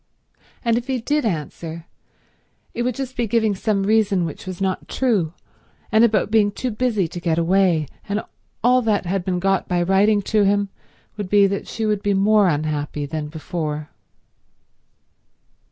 And if he did answer, it would just be giving some reason which was not true, and about being too busy to get away; and all that had been got by writing to him would be that she would be more unhappy than before.